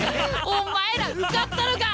お前ら受かったのか！